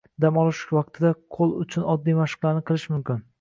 Dam olish vaqtida qo‘l uchun oddiy mashqlarni qilish mumkin